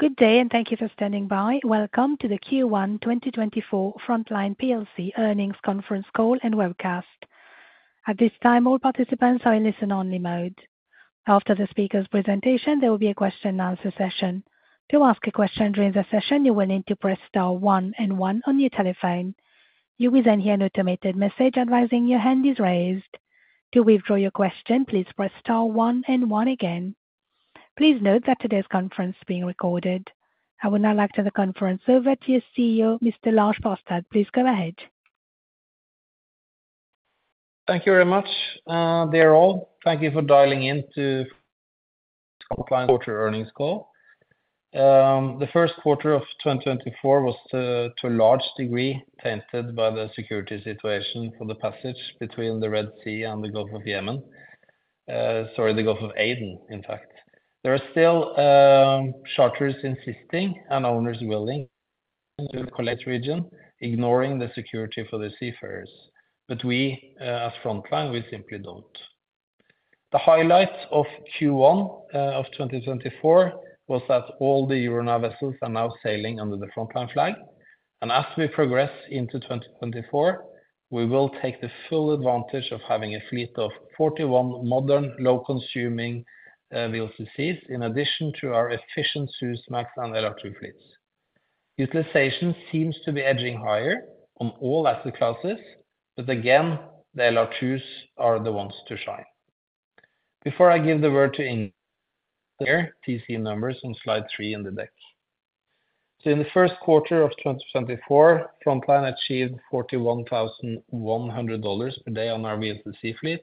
Good day, and thank you for standing by. Welcome to the Q1 2024 Frontline PLC Earnings Conference Call and Webcast. At this time, all participants are in listen-only mode. After the speaker's presentation, there will be a question and answer session. To ask a question during the session, you will need to press star one and one on your telephone. You will then hear an automated message advising your hand is raised. To withdraw your question, please press star one and one again. Please note that today's conference is being recorded. I would now like to turn the conference over to your CEO, Mr. Lars Barstad. Please go ahead. Thank you very much, dear all. Thank you for dialing in to Frontline quarter earnings call. The first quarter of 2024 was to a large degree, tainted by the security situation for the passage between the Red Sea and the Gulf of Yemen. Sorry, the Gulf of Aden, in fact. There are still, charters insisting and owners willing to go through the region, ignoring the security for the seafarers. But we, at Frontline, we simply don't. The highlights of Q1 of 2024 was that all the Euronav vessels are now sailing under the Frontline flag. And as we progress into 2024, we will take the full advantage of having a fleet of 41 modern, low-consuming, VLCCs, in addition to our efficient Suezmax and LR2 fleets. Utilization seems to be edging higher on all asset classes, but again, the LR2s are the ones to shine. Before I give the word to Inger, TC numbers on slide three in the deck. So in the first quarter of 2024, Frontline achieved $41,100 per day on our VLCC fleet,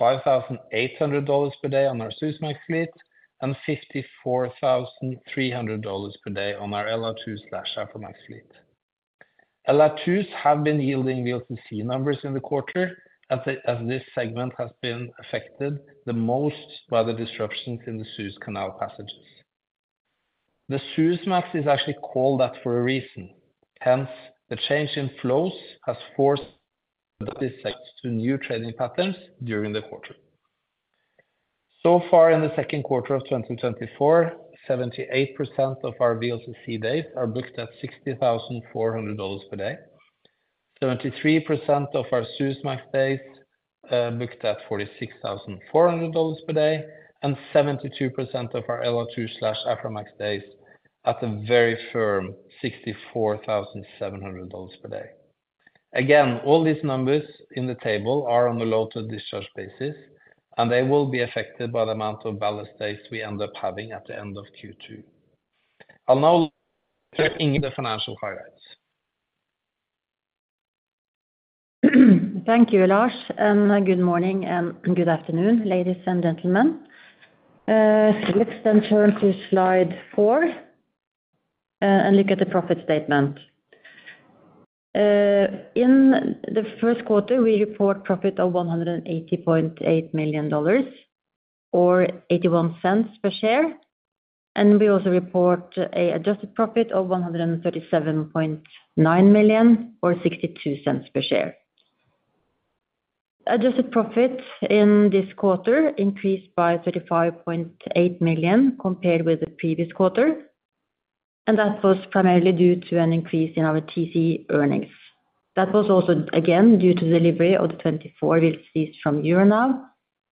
$45,800 per day on our Suezmax fleet, and $54,300 per day on our LR2/Aframax fleet. LR2s have been yielding VLCC numbers in the quarter, as this segment has been affected the most by the disruptions in the Suez Canal passages. The Suezmax is actually called that for a reason. Hence, the change in flows has forced this sector to new trading patterns during the quarter. So far, in the second quarter of 2024, 78% of our VLCC days are booked at $60,400 per day, 73% of our Suezmax days booked at $46,400 per day, and 72% of our LR2/Aframax days at a very firm $64,700 per day. Again, all these numbers in the table are on a load to discharge basis, and they will be affected by the amount of ballast days we end up having at the end of Q2. I'll now turn to Inger for the financial highlights. Thank you, Lars, and good morning and good afternoon, ladies and gentlemen. Let's then turn to slide four, and look at the profit statement. In the first quarter, we report profit of $180.8 million, or $0.81 per share, and we also report an adjusted profit of $137.9 million or $0.62 per share. Adjusted profit in this quarter increased by $35.8 million compared with the previous quarter, and that was primarily due to an increase in our TC earnings. That was also, again, due to delivery of the 24 VLCCs from Euronav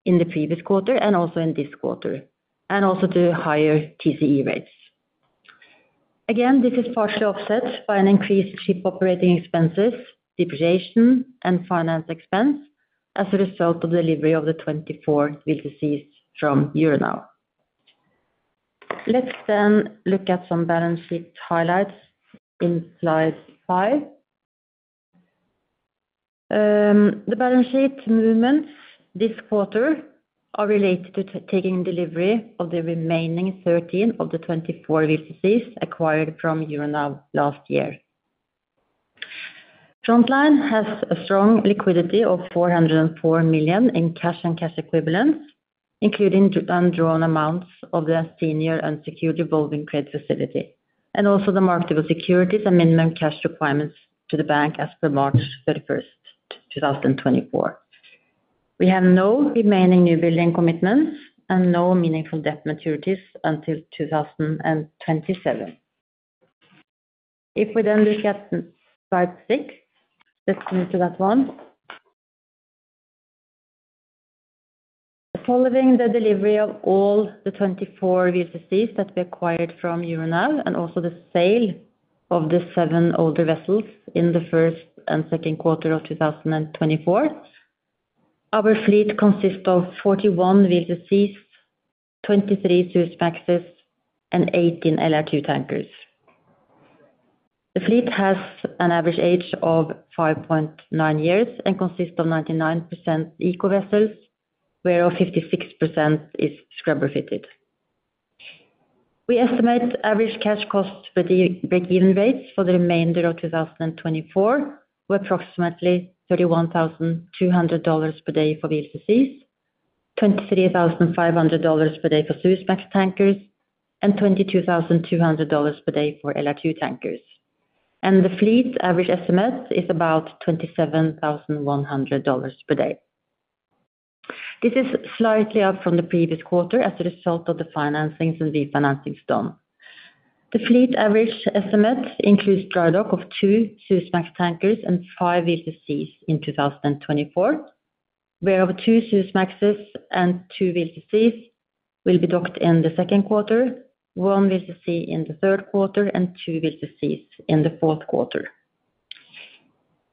in the previous quarter and also in this quarter, and also to higher TCE rates. Again, this is partially offset by an increased ship operating expenses, depreciation, and finance expense as a result of delivery of the 24 VLCCs from Euronav. Let's then look at some balance sheet highlights in slide five. The balance sheet movements this quarter are related to taking delivery of the remaining 13 of the 24 VLCCs acquired from Euronav last year. Frontline has a strong liquidity of $404 million in cash and cash equivalents, including undrawn amounts of their senior unsecured revolving credit facility, and also the marketable securities and minimum cash requirements to the bank as per March 31, 2024. We have no remaining new building commitments and no meaningful debt maturities until 2027. If we then look at slide six, let's move to that one. Following the delivery of all the 24 VLCCs that we acquired from Euronav, and also the sale of the seven older vessels in the first and second quarter of 2024, our fleet consists of 41 VLCCs, 23 Suezmaxes, and 18 LR2 tankers. The fleet has an average age of 5.9 years and consists of 99% eco vessels, whereof 56% is scrubber-fitted. We estimate average cash costs for the break-even rates for the remainder of 2024 were approximately $31,200 per day for VLCCs, $23,500 per day for Suezmax tankers, and $22,200 per day for LR2 tankers. The fleet's average estimate is about $27,100 per day. This is slightly up from the previous quarter as a result of the financings and refinancings done. The fleet average estimate includes dry dock of two Suezmax tankers and five VLCCs in 2024, whereof two Suezmaxes and two VLCCs will be docked in the second quarter, one VLCC in the third quarter, and two VLCCs in the fourth quarter.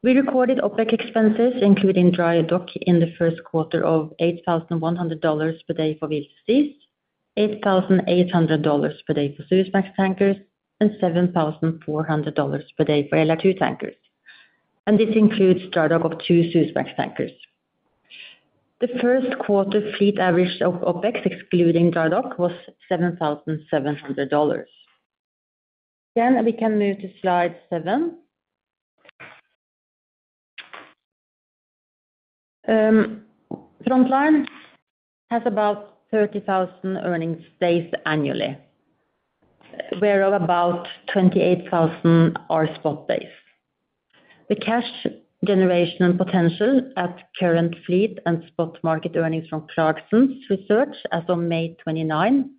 We recorded OPEX expenses, including dry dock, in the first quarter of $8,100 per day for VLCCs, $8,800 per day for Suezmax tankers, and $7,400 per day for LR2 tankers, and this includes dry dock of two Suezmax tankers. The first quarter fleet average of OPEX, excluding dry dock, was $7,700. Then we can move to slide seven. Frontline has about 30,000 earnings days annually, whereof about 28,000 are spot days. The cash generation and potential at current fleet and spot market earnings from Clarksons Research as on May 29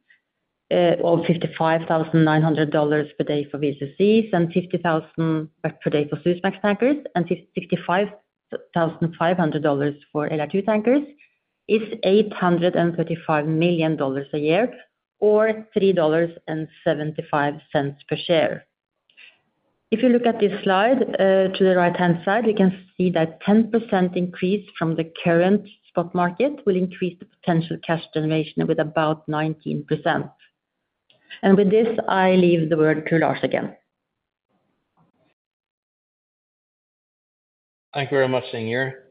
of $55,900 per day for VLCCs, and $50,000 per day for Suezmax tankers, and fifty-five thousand five hundred dollars for LR2 tankers, is $835 million a year, or $3.75 per share. If you look at this slide, to the right-hand side, we can see that 10% increase from the current spot market will increase the potential cash generation with about 19%. And with this, I leave the word to Lars again. Thank you very much, Inger.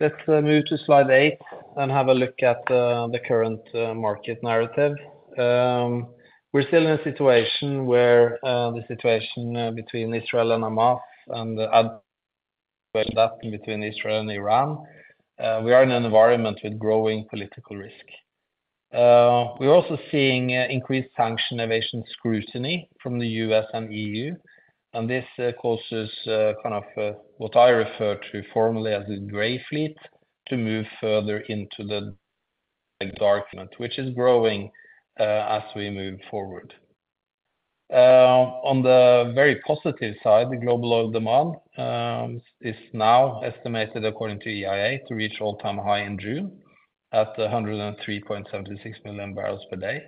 Let's move to slide eight and have a look at the current market narrative. We're still in a situation where the situation between Israel and Hamas and between Israel and Iran; we are in an environment with growing political risk. We're also seeing increased sanctions evasion scrutiny from the U.S. and EU, and this causes kind of what I refer to formally as the gray fleet to move further into the dark fleet, which is growing as we move forward. On the very positive side, the global oil demand is now estimated, according to EIA, to reach all-time high in June at 103.76 million barrels per day.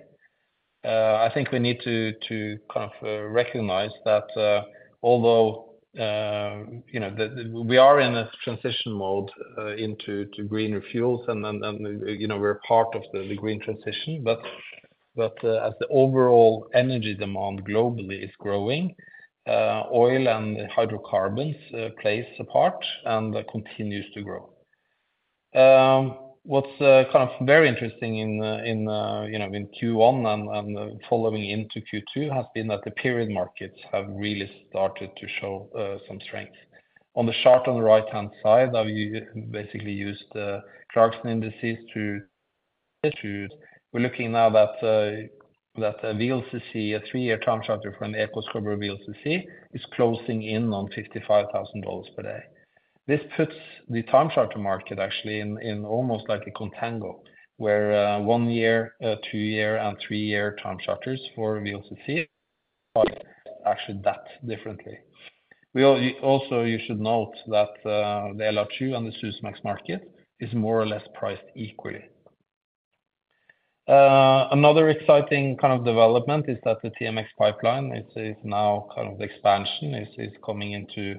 I think we need to kind of recognize that, although you know, we are in a transition mode into greener fuels, and then, you know, we're part of the green transition. But as the overall energy demand globally is growing, oil and hydrocarbons plays a part and continues to grow. What's kind of very interesting in Q1 and following into Q2 has been that the period markets have really started to show some strength. On the chart on the right-hand side, I've basically used Clarksons indices to. We're looking now that a VLCC, a three-year time charter from the Eco scrubber VLCC, is closing in on $55,000 per day. This puts the time charter market actually in almost like a contango, where one year, two year, and three year time charters for VLCC are actually that differently. We also, you should note that the LR2 and the Suezmax market is more or less priced equally. Another exciting kind of development is that the TMX pipeline is now kind of the expansion is coming into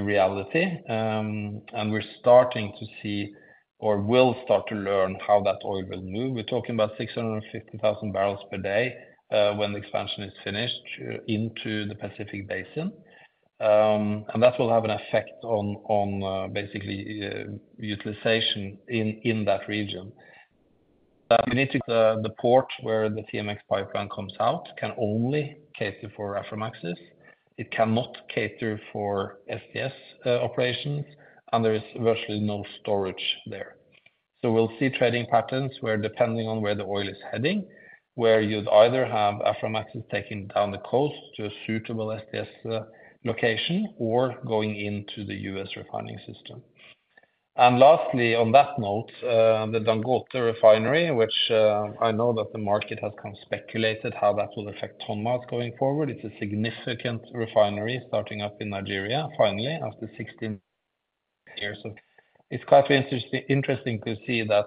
reality, and we're starting to see or will start to learn how that oil will move. We're talking about 650,000 barrels per day when the expansion is finished into the Pacific Basin. And that will have an effect on basically utilization in that region. But we need to the port where the TMX pipeline comes out can only cater for Aframaxes. It cannot cater for STS operations, and there is virtually no storage there. So we'll see trading patterns where depending on where the oil is heading, where you'd either have Aframax taking down the coast to a suitable STS location or going into the US refining system. And lastly, on that note, the Dangote Refinery, which, I know that the market has kind of speculated how that will affect ton miles going forward. It's a significant refinery starting up in Nigeria, finally, after 16 years of... It's quite interesting to see that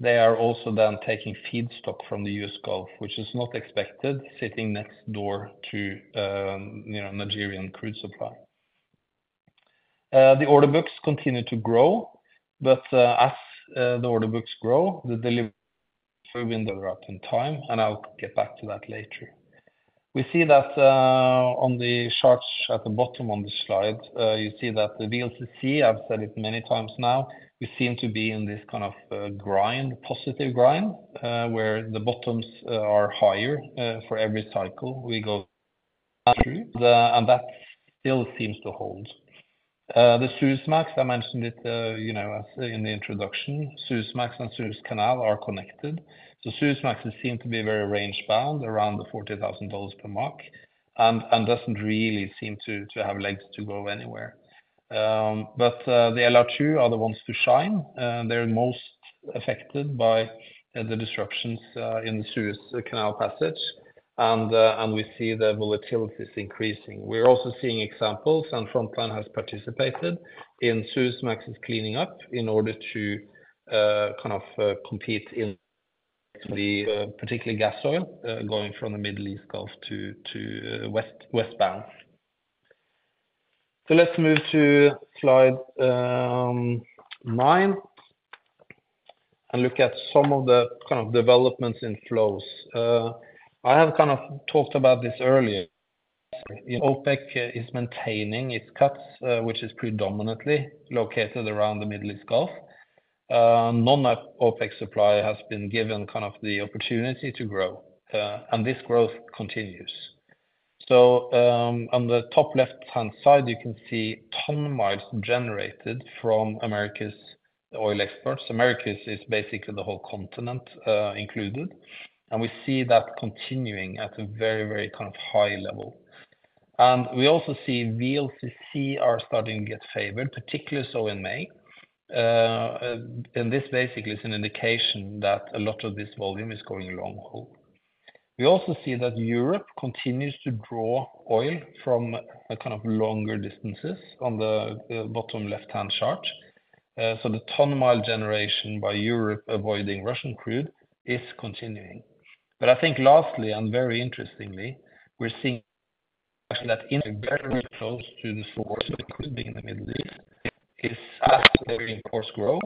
they are also then taking feedstock from the U.S. Gulf, which is not expected, sitting next door to, you know, Nigerian crude supply. The order books continue to grow, but, as the order books grow, the delivery window up in time, and I'll get back to that later. We see that, on the charts at the bottom on the slide, you see that the VLCC, I've said it many times now, we seem to be in this kind of grind, positive grind, where the bottoms are higher, for every cycle we go through, and that still seems to hold. The Suezmax, I mentioned it, you know, as in the introduction, Suezmax and Suez Canal are connected. So Suezmaxes seem to be very range bound around the $40,000 per day and doesn't really seem to have legs to go anywhere. But, the LR2 are the ones to shine, they're most affected by the disruptions in Suez Canal passage. And we see the volatility is increasing. We're also seeing examples, and Frontline has participated in Suezmaxes cleaning up in order to, kind of, compete in the, particularly gas oil, going from the Middle East Gulf to, to, west, westbound. So let's move to slide nine, and look at some of the kind of developments in flows. I have kind of talked about this earlier. OPEC is maintaining its cuts, which is predominantly located around the Middle East Gulf. Non-OPEC supply has been given kind of the opportunity to grow, and this growth continues. So, on the top left-hand side, you can see ton miles generated from America's oil exports. Americas is basically the whole continent, included, and we see that continuing at a very, very kind of high level. And we also see VLCC are starting to get favored, particularly so in May. This basically is an indication that a lot of this volume is going long haul. We also see that Europe continues to draw oil from a kind of longer distances on the bottom left-hand chart. So the ton-mile generation by Europe, avoiding Russian crude, is continuing. But I think lastly, and very interestingly, we're seeing actually that in very close to the source, it could be in the Middle East, is as imports grow,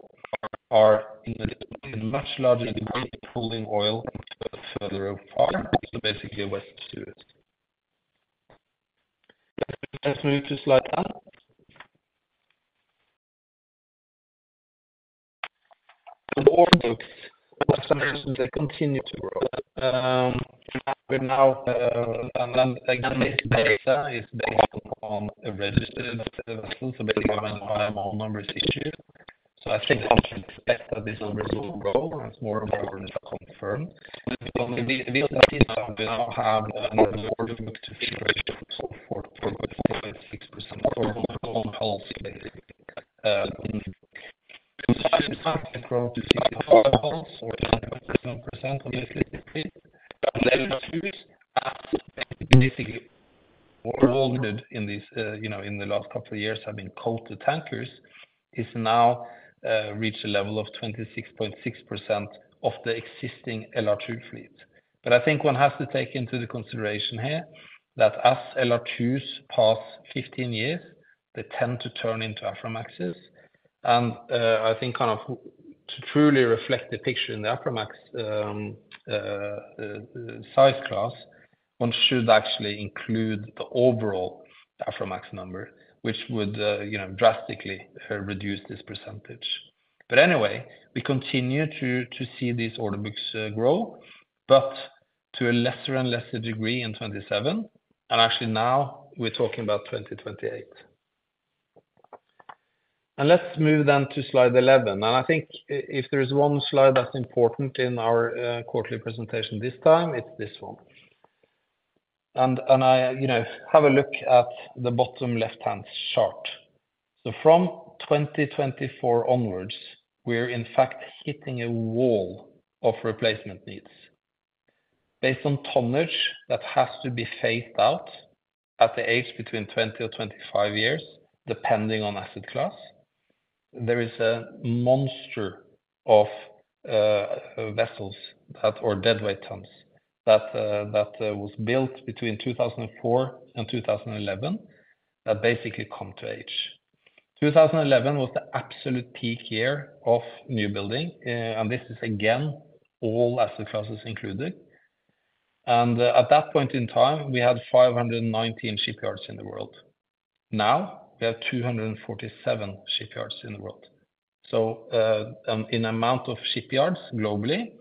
are in a much larger degree, pulling oil further afar, so basically westward. Let's move to slide 10. The order books continue to grow. We're now, and then again, this data is based on a registered vessel, so based on IMO numbers issued. So I think confident that these numbers will grow as more and more are confirmed. We now have an orderbook-to-fleet ratios of 4.4%-6% on whole fleet. Grew to 6.4% or 9.6% on the existing fleet. And then, basically, more ordered in these, you know, in the last couple of years have been crude tankers, is now reached a level of 26.6% of the existing LR2 fleet. But I think one has to take into consideration here, that as LR2s pass 15 years, they tend to turn into Aframaxes. And I think kind of to truly reflect the picture in the Aframax size class, one should actually include the overall Aframax number, which would, you know, drastically reduce this percentage. But anyway, we continue to see these orderbooks grow, but to a lesser and lesser degree in 2027. And actually now we're talking about 2028. And let's move then to slide 11. And I think if there is one slide that's important in our quarterly presentation this time, it's this one. And I, you know, have a look at the bottom left-hand chart. So from 2024 onwards, we're in fact hitting a wall of replacement needs. Based on tonnage that has to be phased out at the age between 20 or 25 years, depending on asset class, there is a monster of vessels that, or deadweight tons, that was built between 2004 and 2011, that basically come to age. 2011 was the absolute peak year of new building, and this is again, all asset classes included. At that point in time, we had 519 shipyards in the world. Now, we have 247 shipyards in the world. So, in amount of shipyards globally,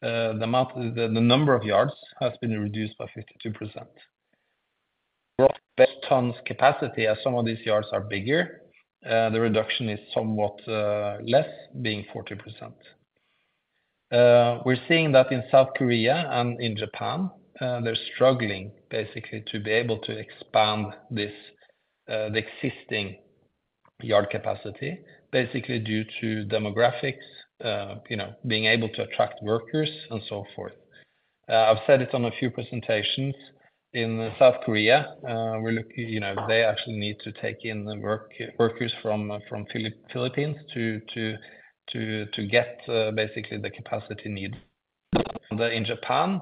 the number of yards has been reduced by 52%. Roughly based tons capacity, as some of these yards are bigger, the reduction is somewhat less, being 40%. We're seeing that in South Korea and in Japan, they're struggling, basically, to be able to expand this, the existing yard capacity, basically due to demographics, you know, being able to attract workers and so forth. I've said it on a few presentations in South Korea, we're looking, you know, they actually need to take in the workers from Philippines to get basically the capacity needs. In Japan,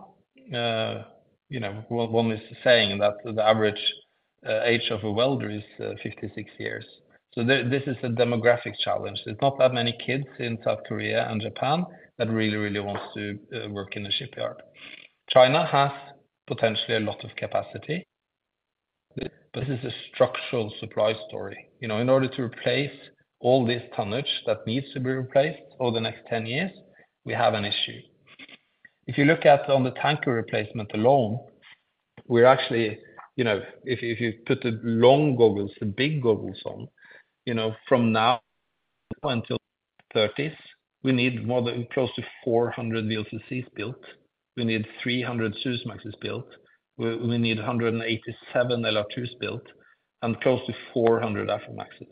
you know, one is saying that the average age of a welder is 56 years. So this is a demographic challenge. There's not that many kids in South Korea and Japan that really, really wants to work in a shipyard. China has potentially a lot of capacity, but this is a structural supply story. You know, in order to replace all this tonnage that needs to be replaced over the next 10 years, we have an issue. If you look at on the tanker replacement alone, we're actually, you know, if you put the long goggles, the big goggles on, you know, from now until thirties, we need more than close to 400 VLCCs built. We need 300 Suezmaxes built. We need 187 LR2s built and close to 400 Aframaxes.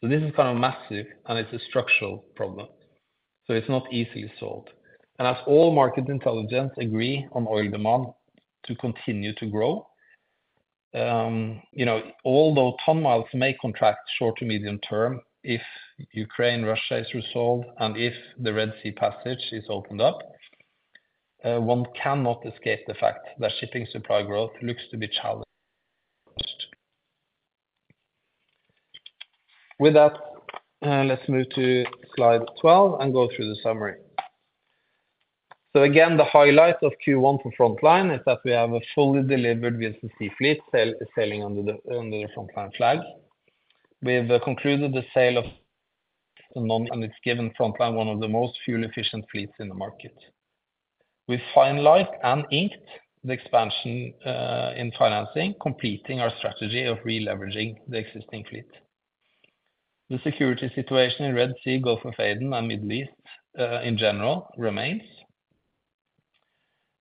So this is kind of massive, and it's a structural problem, so it's not easily solved. And as all market intelligence agree on oil demand to continue to grow, you know, although ton miles may contract short to medium term, if Ukraine, Russia is resolved and if the Red Sea passage is opened up, one cannot escape the fact that shipping supply growth looks to be challenged. With that, let's move to slide 12 and go through the summary. So again, the highlight of Q1 for Frontline is that we have a fully delivered VLCC fleet sailing under the Frontline flag. We've concluded the sale of, and it's given Frontline one of the most fuel-efficient fleets in the market. We finalized and inked the expansion in financing, completing our strategy of re-leveraging the existing fleet. The security situation in Red Sea, Gulf of Aden, and Middle East in general remains.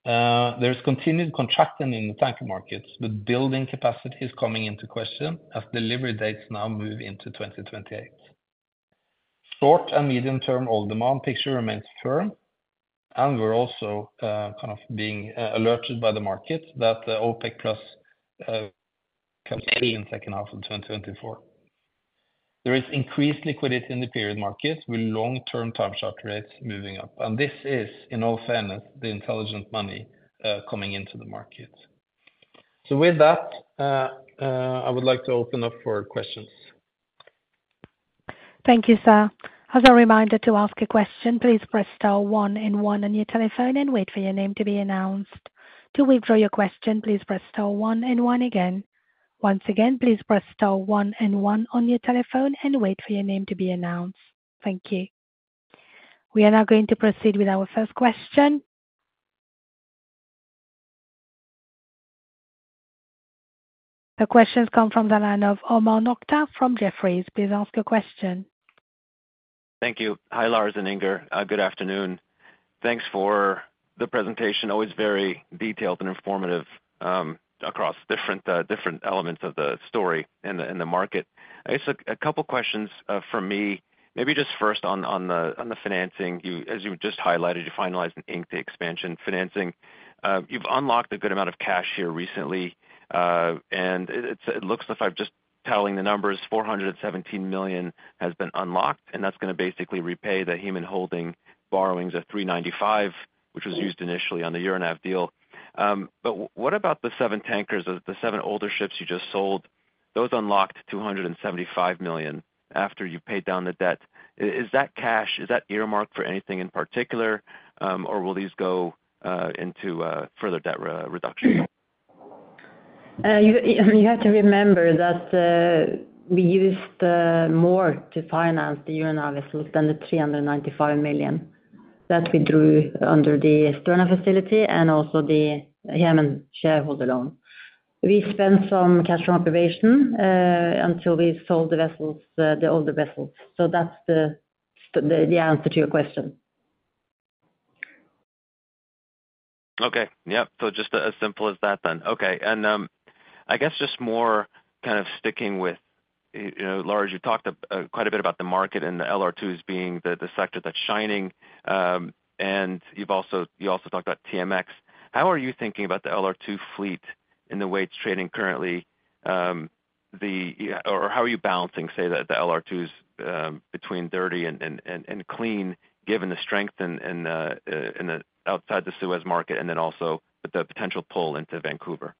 There's continued contracting in the tanker markets, but building capacity is coming into question as delivery dates now move into 2028. Short and medium-term oil demand picture remains firm, and we're also kind of being alerted by the market that the OPEC+ extension in second half of 2024. There is increased liquidity in the period markets with long-term time charter rates moving up, and this is, in all fairness, the intelligent money coming into the market. With that, I would like to open up for questions. Thank you, sir. As a reminder to ask a question, please press star one and one on your telephone and wait for your name to be announced. To withdraw your question, please press star one and one again. Once again, please press star one and one on your telephone and wait for your name to be announced. Thank you. We are now going to proceed with our first question. The questions come from the line of Omar Nokta from Jefferies. Please ask your question. Thank you. Hi, Lars and Inger. Good afternoon. Thanks for the presentation. Always very detailed and informative, across different elements of the story and the market. I guess a couple questions from me, maybe just first on the financing. You as you just highlighted, you finalized and inked the expansion financing. You've unlocked a good amount of cash here recently, and it looks as if I'm just telling the numbers, $417 million has been unlocked, and that's gonna basically repay the Hemen Holding borrowings of $395- Yes... which was used initially on the Euronav deal. But what about the seven tankers, the seven older ships you just sold? Those unlocked $275 million after you paid down the debt. Is that cash earmarked for anything in particular, or will these go into further debt reduction? You have to remember that we used more to finance the Euronav vessels than the $395 million that we drew under the Sterna facility and also the Hemen shareholder loan. We spent some cash from operations until we sold the vessels, the older vessels. So that's the answer to your question. Okay. Yep. So just as simple as that then. Okay. And I guess just more kind of sticking with you know, Lars, you talked quite a bit about the market and the LR2s being the sector that's shining. And you've also talked about TMX. How are you thinking about the LR2 fleet and the way it's trading currently? Or how are you balancing say the LR2s between dirty and clean, given the strength in the outside-the-Suez market and then also the potential pull into Vancouver?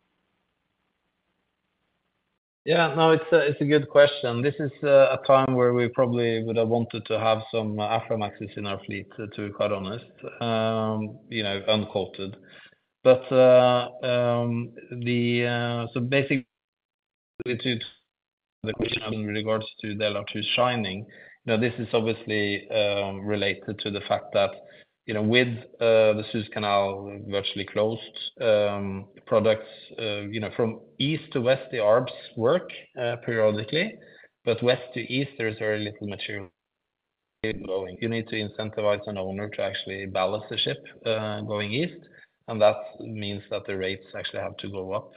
Yeah. No, it's a good question. This is a time where we probably would have wanted to have some Aframaxes in our fleet, to be quite honest, you know. But, so back to the question in regards to the LR2 shining, you know, this is obviously related to the fact that, you know, with the Suez Canal virtually closed, products, you know, from east to west, the Aframaxes work periodically, but west to east, there is very little material going. You need to incentivize an owner to actually ballast the ship going east, and that means that the rates actually have to go up.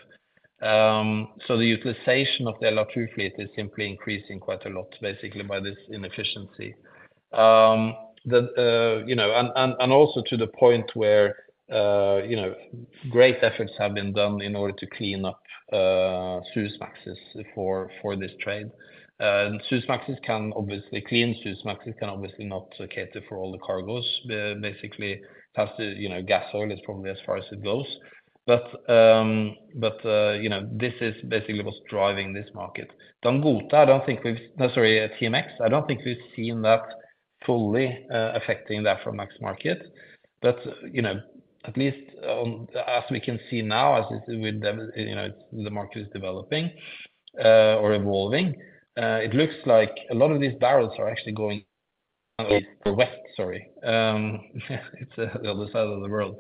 So the utilization of the LR2 fleet is simply increasing quite a lot, basically by this inefficiency. You know, and also to the point where, you know, great efforts have been done in order to clean up Suezmaxes for this trade. And clean Suezmaxes can obviously not cater for all the cargoes. Basically, it has to, you know, gas oil is probably as far as it goes. But, you know, this is basically what's driving this market. Dangote, sorry, TMX, I don't think we've seen that fully affecting the Aframax market. But, you know, at least, as we can see now, as with the, you know, the market is developing or evolving, it looks like a lot of these barrels are actually going west, sorry. It's the other side of the world.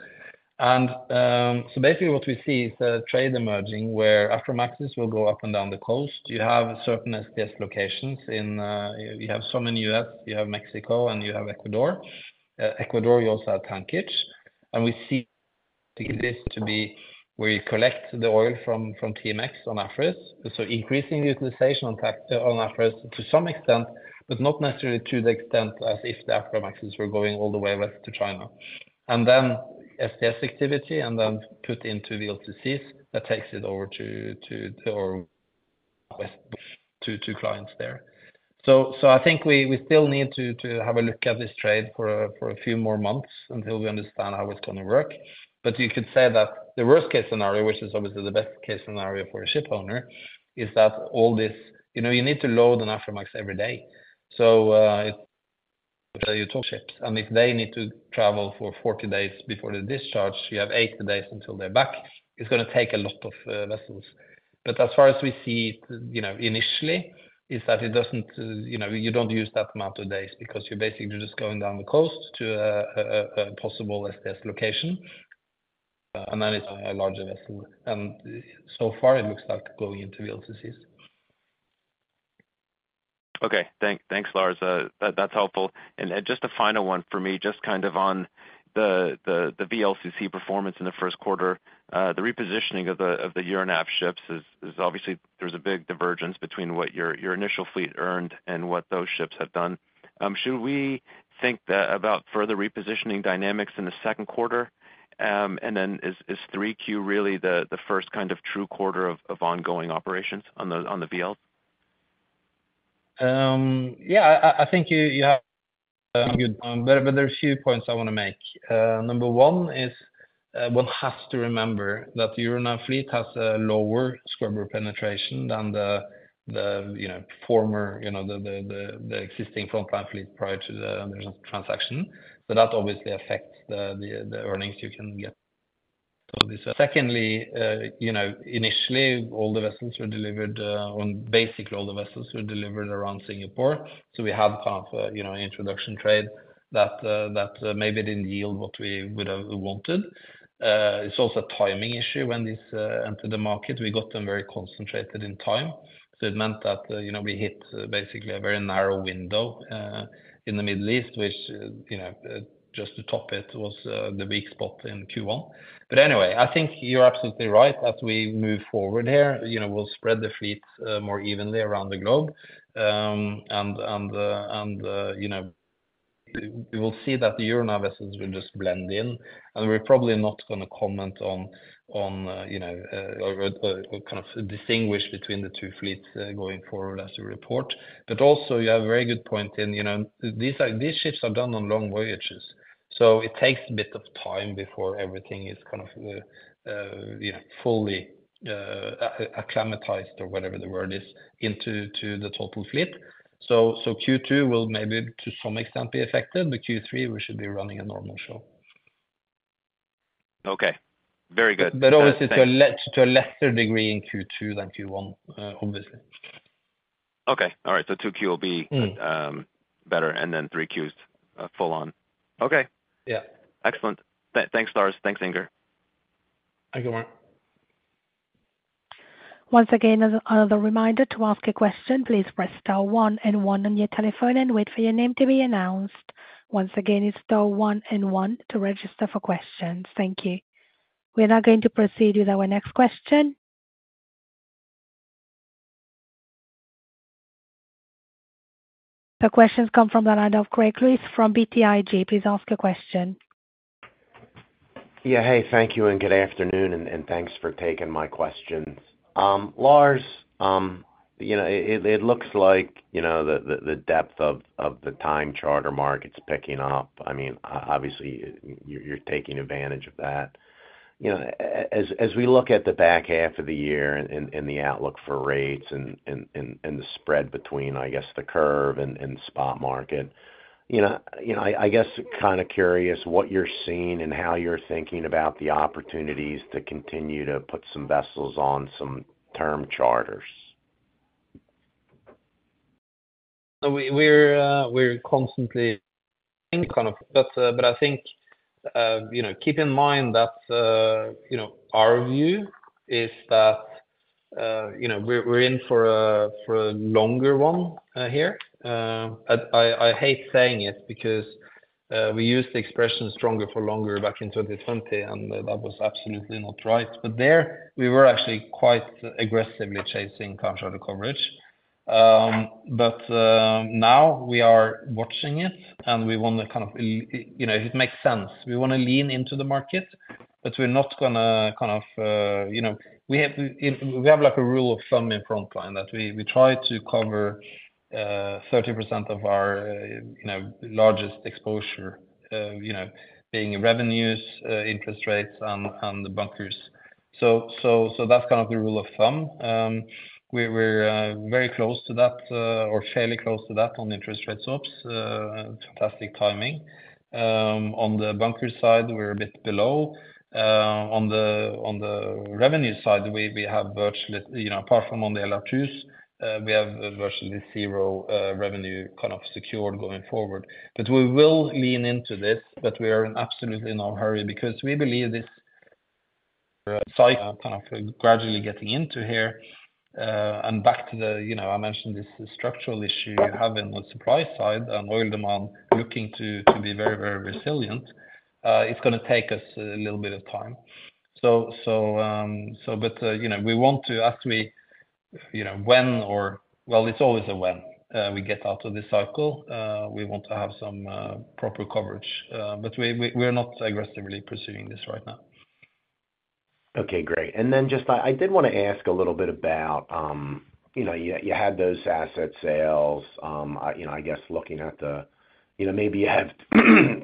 Basically what we see is a trade emerging where Aframaxes will go up and down the coast. You have certain STS locations in, you have some in U.S., you have Mexico and you have Ecuador. Ecuador, you also have tankage. And we see to exist to be where you collect the oil from TMX on Afras. So increasing the utilization in fact on Afras to some extent, but not necessarily to the extent as if the Aframaxes were going all the way west to China. And then STS activity and then put into VLCCs, that takes it over to or west to clients there. So I think we still need to have a look at this trade for a few more months until we understand how it's gonna work. But you could say that the worst case scenario, which is obviously the best case scenario for a shipowner, is that all this, you know, you need to load an Aframax every day. So, you tow ships, and if they need to travel for 40 days before they discharge, you have 80 days until they're back. It's gonna take a lot of vessels. But as far as we see, you know, initially, is that it doesn't, you know, you don't use that amount of days because you're basically just going down the coast to a possible STS location, and then it's a larger vessel. And so far, it looks like going into VLCCs. Okay, thanks, Lars. That’s helpful. And just a final one for me, just kind of on the VLCC performance in the first quarter. The repositioning of the Euronav ships is obviously there’s a big divergence between what your initial fleet earned and what those ships have done. Should we think about further repositioning dynamics in the second quarter? And then is 3Q really the first kind of true quarter of ongoing operations on the VL? Yeah, I think you have a good- but there are a few points I wanna make. Number one is, one has to remember that the Euronav fleet has a lower scrubber penetration than the, you know, former, you know, the existing Frontline fleet prior to the transaction. So that obviously affects the earnings you can get. So secondly, you know, initially all the vessels were delivered, on basically all the vessels were delivered around Singapore. So we had kind of, you know, introduction trade that, that, maybe didn't yield what we would have wanted. It's also a timing issue when this entered the market. We got them very concentrated in time, so it meant that, you know, we hit basically a very narrow window in the Middle East, which, you know, just to top it was the weak spot in Q1. But anyway, I think you're absolutely right. As we move forward here, you know, we'll spread the fleet more evenly around the globe. And you know, we will see that the Euronav vessels will just blend in, and we're probably not gonna comment on you know or kind of distinguish between the two fleets going forward as we report. But also, you have a very good point in, you know, these ships are done on long voyages, so it takes a bit of time before everything is kind of, you know, fully acclimatized or whatever the word is, into to the total fleet. So, Q2 will maybe to some extent be affected, but Q3, we should be running a normal show. Okay, very good. But obviously to a lesser degree in Q2 than Q1, obviously. Okay. All right, so 2Q will be- Mm. better, and then three Qs full on. Okay. Yeah. Excellent. Thanks, Lars. Thanks, Inger. Thank you, Mark. Once again, as another reminder, to ask a question, please press star one and one on your telephone and wait for your name to be announced. Once again, it's star one and one to register for questions. Thank you. We are now going to proceed with our next question. The question comes from the line of Greg Lewis from BTIG. Please ask your question. Yeah, hey, thank you and good afternoon, and thanks for taking my questions. Lars, you know, it looks like, you know, the depth of the time charter market's picking up. I mean, obviously, you're taking advantage of that. You know, as we look at the back half of the year and the outlook for rates and the spread between, I guess, the curve and spot market, you know, I guess kind of curious what you're seeing and how you're thinking about the opportunities to continue to put some vessels on some term charters. So we're constantly kind of... But I think, you know, keep in mind that, you know, our view is that, you know, we're in for a longer one here. I hate saying it because we used the expression stronger for longer back in 2020, and that was absolutely not right. But there we were actually quite aggressively chasing contract coverage. But now we are watching it, and we want to kind of you know, it makes sense. We want to lean into the market, but we're not gonna kind of, you know, we have like a rule of thumb in Frontline that we try to cover 30% of our largest exposure, you know, being revenues, interest rates, and the bunkers. So that's kind of the rule of thumb. We're very close to that, or fairly close to that on interest rate swaps. Fantastic timing. On the bunker side, we're a bit below. On the revenue side, we have virtually, you know, apart from on the LR2s, we have virtually zero revenue kind of secured going forward. But we will lean into this, but we are in absolutely no hurry because we believe this cycle kind of gradually getting into here, and back to the, you know, I mentioned this structural issue you have in the supply side and oil demand looking to be very, very resilient, it's gonna take us a little bit of time. So, but, you know, we want to ask me, you know, when or-- well, it's always a when, we get out of this cycle, we want to have some proper coverage, but we're not aggressively pursuing this right now. Okay, great. And then just I did wanna ask a little bit about, you know, you had those asset sales. You know, I guess looking at the, you know, maybe you have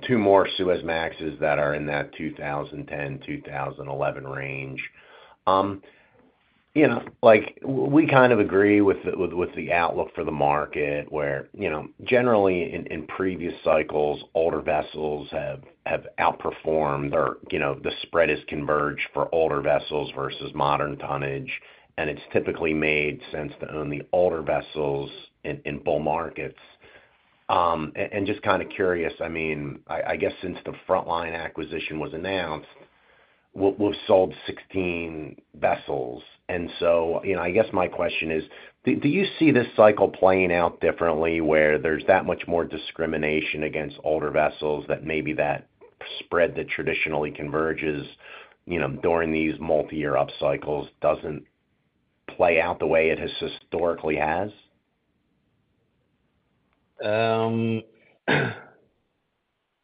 two more Suezmaxes that are in that 2010, 2011 range. You know, like we kind of agree with the outlook for the market, where, you know, generally in previous cycles, older vessels have outperformed or, you know, the spread has converged for older vessels versus modern tonnage, and it's typically made sense to own the older vessels in bull markets. And just kind of curious, I mean, I guess since the Frontline acquisition was announced, we've sold 16 vessels, and so, you know, I guess my question is: do you see this cycle playing out differently, where there's that much more discrimination against older vessels that maybe that spread that traditionally converges, you know, during these multi-year up cycles doesn't play out the way it has historically has?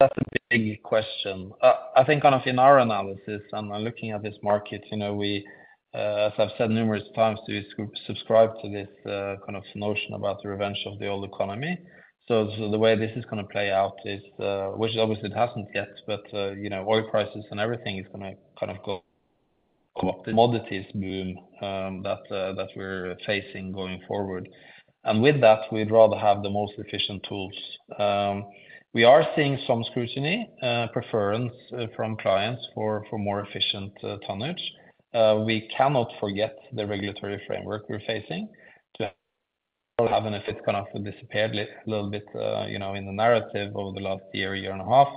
That's a big question. I think kind of in our analysis and when looking at this market, you know, we, as I've said numerous times, do subscribe to this kind of notion about the revenge of the old economy. So the way this is gonna play out is, which obviously it hasn't yet, but, you know, oil prices and everything is gonna kind of go commodities boom, that we're facing going forward. And with that, we'd rather have the most efficient tools. We are seeing some scrutiny, preference from clients for more efficient tonnage. We cannot forget the regulatory framework we're facing. To have an effect, kind of disappeared a little bit, you know, in the narrative over the last year and a half.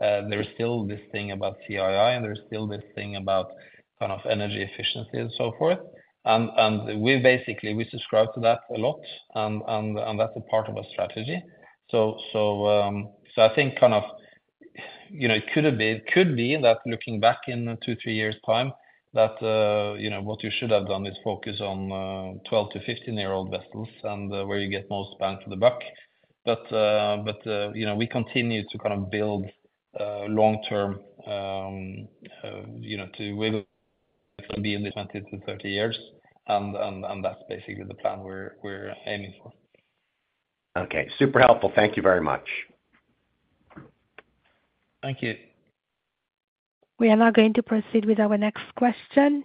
There is still this thing about CII, and there's still this thing about kind of energy efficiency and so forth. And we basically subscribe to that a lot, and that's a part of our strategy. I think kind of, you know, it could have been, could be that looking back in two, three years' time, that, you know, what you should have done is focus on 12-15-year-old vessels and where you get most bang for the buck. But, you know, we continue to kind of build long term, you know, to where it's gonna be in 15, 30 years. And that's basically the plan we're aiming for. Okay. Super helpful. Thank you very much. Thank you. We are now going to proceed with our next question.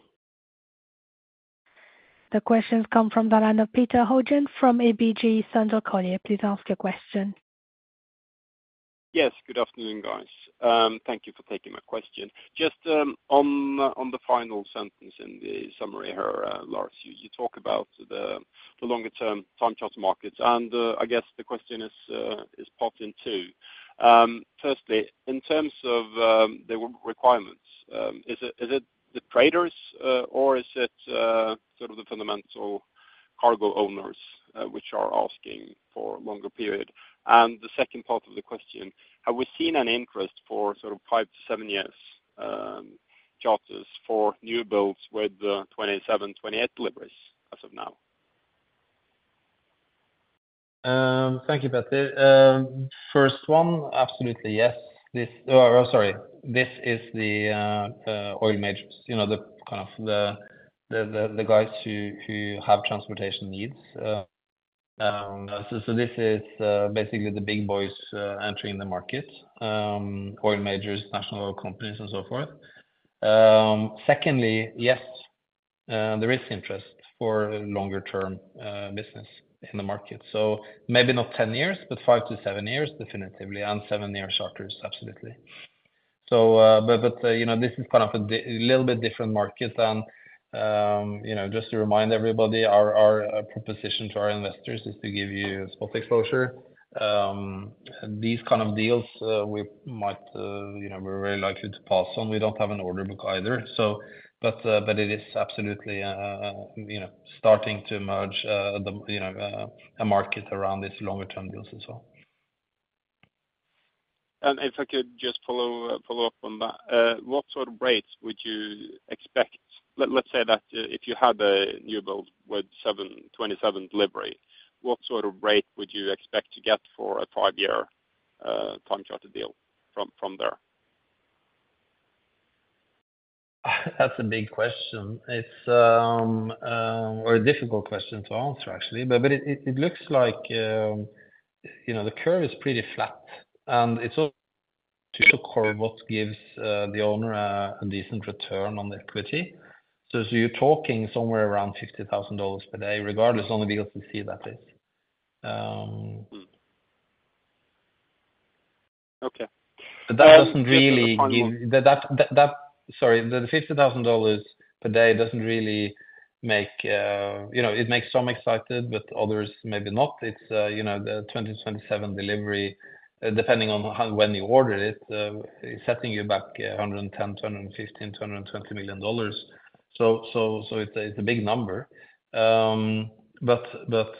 The question comes from the line of Petter Haugen from ABG Sundal Collier. Please ask your question. Yes, good afternoon, guys. Thank you for taking my question. Just on the final sentence in the summary here, Lars, you talk about the longer term time charter markets, and I guess the question is in two parts. Firstly, in terms of the requirements, is it the traders or is it sort of the fundamental cargo owners which are asking for longer period? And the second part of the question, have we seen an interest for sort of 5-7 years charters for new builds with 2027, 2028 deliveries as of now? Thank you, Petter. First one, absolutely, yes. This is the oil majors, you know, the kind of the guys who have transportation needs. So this is basically the big boys entering the market, oil majors, national oil companies, and so forth. Secondly, yes, there is interest for longer term business in the market, so maybe not 10 years, but five to seven years, definitively, and seven years charters, absolutely. So, but you know, this is kind of a little bit different market. And you know, just to remind everybody, our proposition to our investors is to give you spot exposure. These kind of deals, we might, you know, we're very likely to pass on. We don't have an order book either. But it is absolutely, you know, starting to emerge, you know, a market around these longer-term deals as well. If I could just follow up on that, what sort of rates would you expect? Let's say that if you had a new build with 2027 delivery, what sort of rate would you expect to get for a 5-year time charter deal from there? That's a big question. It's a difficult question to answer, actually. But it looks like, you know, the curve is pretty flat, and it's all to what gives the owner a decent return on the equity. So you're talking somewhere around $50,000 per day, regardless on the deal to see that is, Okay. But that doesn't really give- Just to follow up. Sorry, the $50,000 per day doesn't really make, you know, it makes some excited, but others maybe not. It's, you know, the 2020 to 2027 delivery, depending on how, when you order it, it's setting you back $110 million - $115 million - $120 million. So it's a, it's a big number. But,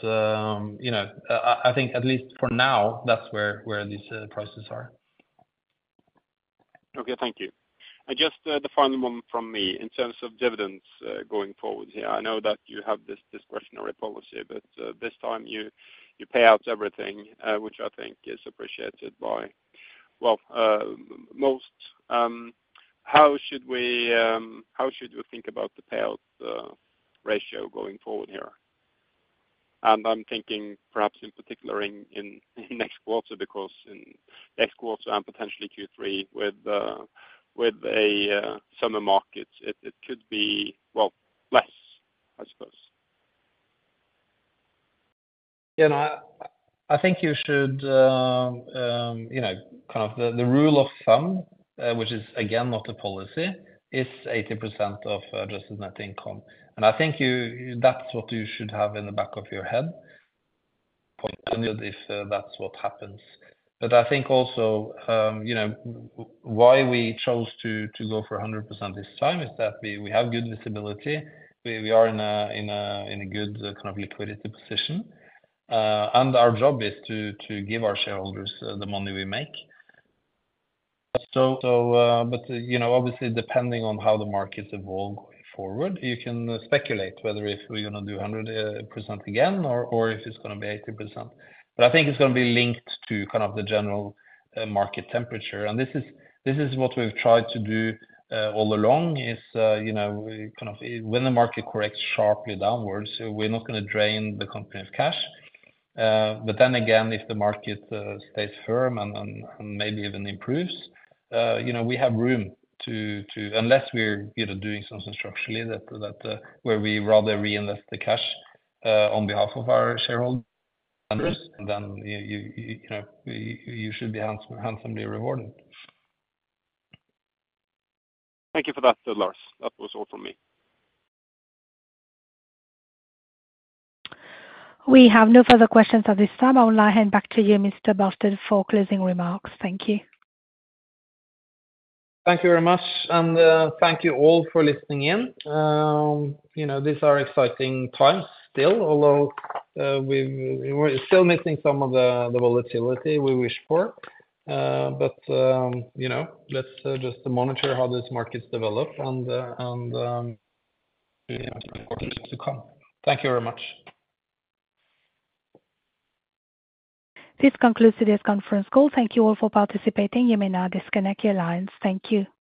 you know, I, I think at least for now, that's where, where these prices are. Okay, thank you. And just, the final one from me. In terms of dividends, going forward here, I know that you have this discretionary policy, but, this time you pay out everything, which I think is appreciated by, well, most... How should we think about the payout ratio going forward here? And I'm thinking perhaps in particular in next quarter, because in next quarter and potentially Q3 with a summer market, it could be, well, less, I suppose. Yeah, I think you should, you know, kind of the rule of thumb, which is again, not a policy, is 80% of adjusted net income. And I think you, that's what you should have in the back of your head, if that's what happens. But I think also, you know, why we chose to go for 100% this time is that we have good visibility. We are in a good kind of liquidity position. And our job is to give our shareholders the money we make. So, but, you know, obviously, depending on how the markets evolve going forward, you can speculate whether if we're gonna do 100% again, or if it's gonna be 80%. But I think it's gonna be linked to kind of the general market temperature. And this is what we've tried to do all along, is you know, kind of when the market corrects sharply downwards, we're not gonna drain the company of cash. But then again, if the market stays firm and maybe even improves, you know, we have room to unless we're you know doing something structurally that where we rather reinvest the cash on behalf of our shareholders, then you know you should be handsomely rewarded. Thank you for that, Lars. That was all from me. We have no further questions at this time. I will now hand back to you, Mr. Barstad, for closing remarks. Thank you. Thank you very much, and thank you all for listening in. You know, these are exciting times still, although we're still missing some of the volatility we wish for. But you know, let's just monitor how these markets develop and quarters to come. Thank you very much. This concludes today's conference call. Thank you all for participating. You may now disconnect your lines. Thank you.